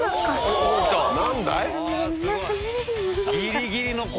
ギリギリの攻防。